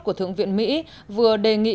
của thượng viện mỹ vừa đề nghị